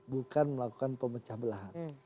bukan melakukan pemecah belahan